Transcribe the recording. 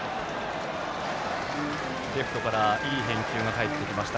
レフトからいい返球が返ってきました。